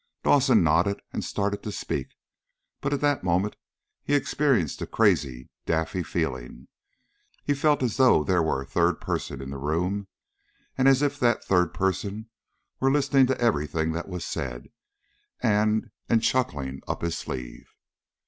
Dawson nodded, and started to speak, but at that moment he experienced a crazy, daffy feeling. He felt as though there were a third person in the room, and as if that third person were listening to everything that was said, and and chuckling up his sleeve.